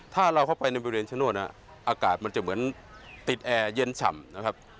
ถ้าเราเข้าไปในบริเวณชะโนธอากาศมันจะเหมือนติดแอร์เย็นฉ่ำนะครับ